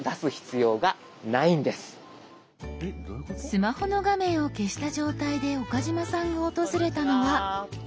スマホの画面を消した状態で岡嶋さんが訪れたのは。